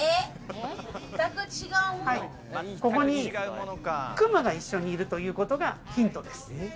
ここにクマが一緒にいるということがヒントです。